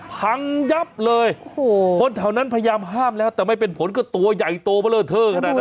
พังยับเลยโอ้โหคนแถวนั้นพยายามห้ามแล้วแต่ไม่เป็นผลก็ตัวใหญ่โตเบลอเทอร์ขนาดนั้น